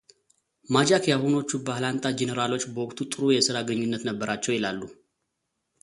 ማጃክ የአሁኖቹ ባላንጣ ጄነራሎች በወቅቱ ጥሩ የስራ ግንኙነት ነበራቸው ይላሉ።